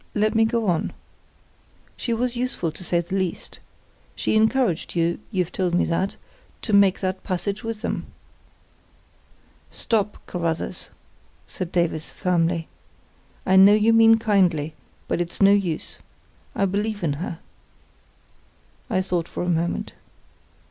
let me go on. She was useful, to say the least. She encouraged you—you've told me that—to make that passage with them." "Stop, Carruthers," said Davies, firmly. "I know you mean kindly; but it's no use. I believe in her." I thought for a moment.